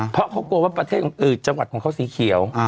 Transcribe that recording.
เพราะเขากลัวว่าประเทศอื่นจังหวัดของเขาสีเขียว